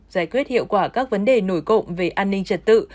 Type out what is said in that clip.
giải quyết hiệu quả các vấn đề nổi cộng về an ninh trật tự